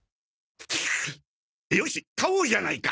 よし買おうじゃないか。